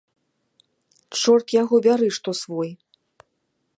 Чорт яго бяры, што свой.